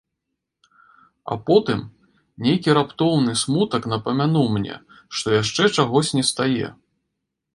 А потым нейкі раптоўны смутак напамянуў мне, што яшчэ чагось на стае.